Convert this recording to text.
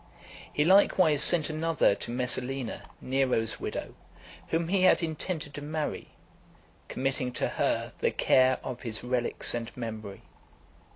He likewise sent another to Messalina, Nero's widow, whom he had intended to marry, committing to her the care of his relics and memory.